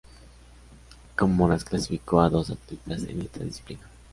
Comoras clasificó a dos atletas en esta disciplina.